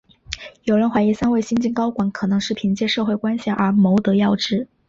有人怀疑三位新晋高管可能是凭借社会关系而谋得要职。